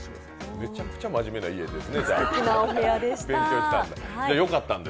めちゃくちゃ真面目な家ですね、勉強したんだ。